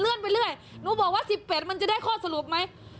ไปเรื่อยหนูบอกว่า๑๑มันจะได้ข้อสรุปไหม